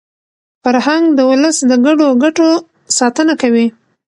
فرهنګ د ولس د ګډو ګټو ساتنه کوي.